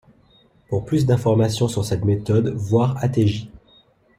Pour plus d’informations sur cette méthode, voir Ateji.